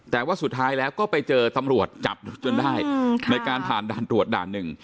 แต่ว่าสุดท้ายแล้วก็ไปเจอตำรวจจับจนได้ในการผ่านด่านตรวจด่านหนึ่ง